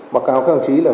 báo cáo các ông chí là